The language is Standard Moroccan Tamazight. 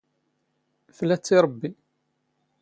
ⴼⵍⴰⵜ ⵜ ⵉ ⵕⴱⴱⵉ.